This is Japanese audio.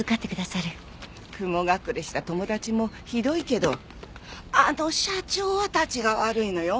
雲隠れした友達もひどいけどあの社長はたちが悪いのよ。